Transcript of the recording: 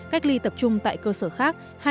cách ly tập trung tại cơ sở khác